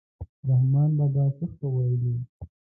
رحمان بابا څه ښه ویلي.